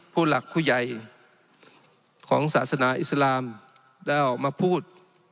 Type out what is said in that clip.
ผู้หลักผู้ใหญ่ของศาสนาอิสลามได้ออกมาพูด